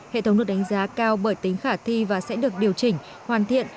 hệ thống được đánh giá cao bởi tính khả thi và sẽ được điều chỉnh hoàn thiện